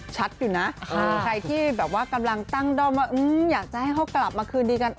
อยู่นะใครที่แบบว่ากำลังตั้งด้อมว่าอยากจะให้เขากลับมาคืนดีกัน